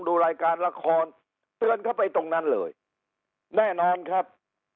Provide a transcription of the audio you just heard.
ดูรายการละครเตือนเข้าไปตรงนั้นเลยแน่นอนครับ